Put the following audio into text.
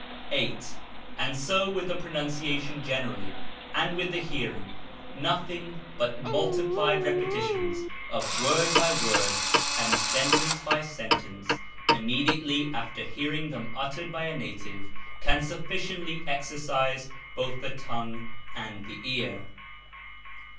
8. And so with the pronunciation generally, and with the hearing, nothing but multiplied repetitions of word by word and sentence by sentence, immediately after hear ing them uttered by a native, can sufficiently exercise both the tongue and the ear.